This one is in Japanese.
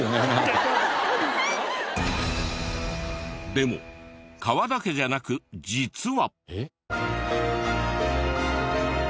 でも皮だけじゃなく実は。